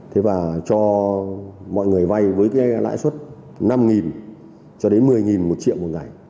thế và cho mọi người vay với cái lãi suất năm cho đến một mươi một triệu một ngày